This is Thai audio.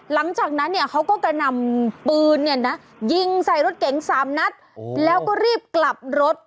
หลังจากนั้นเนี่ยเขาก็กระนำปืนเนี่ยนะยิงใส่รถเก๋ง๓นัดแล้วก็รีบกลับรถ